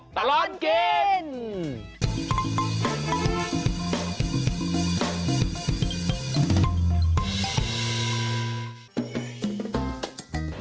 ตลอดเกณฑ์